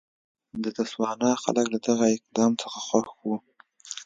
د تسوانا خلک له دغه اقدام څخه خوښ وو.